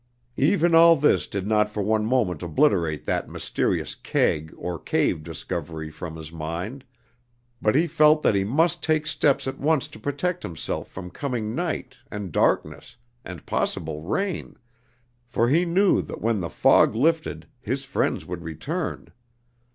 Even all this did not for one moment obliterate that mysterious keg or cave discovery from his mind, but he felt that he must take steps at once to protect himself from coming night, and darkness, and possible rain, for he knew that when the fog lifted, his friends would return.